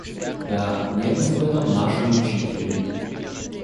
Да, немцы в этом наши учители.